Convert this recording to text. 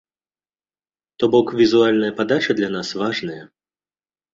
То бок, візуальная падача для нас важная.